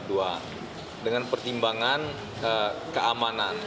dengan pertimbangan keamanan